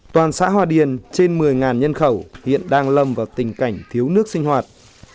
toàn xã hòa điền trên một mươi nhân khẩu hiện đang lâm vào tình cảnh thiếu nước sinh hoạt